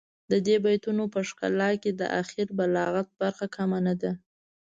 د دې بیتونو په ښکلا کې د اخر بلاغت برخه کمه نه ده.